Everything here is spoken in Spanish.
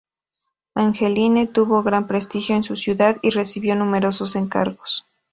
Angelini tuvo gran prestigio en su ciudad y recibió numerosos encargos.